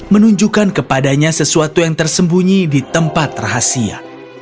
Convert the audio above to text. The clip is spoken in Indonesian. menunjukkan kepadanya sesuatu yang tersembunyi di tempat rahasia